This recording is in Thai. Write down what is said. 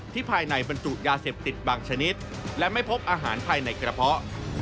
ภายในบรรจุยาเสพติดบางชนิดและไม่พบอาหารภายในกระเพาะ